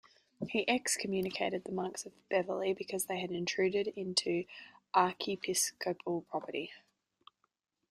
He excommunicated the monks of Beverley because they had intruded into archiepiscopal property.